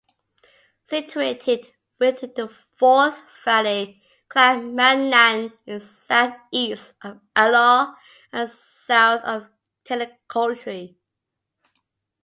Situated within the Forth Valley, Clackmannan is south-east of Alloa and south of Tillicoultry.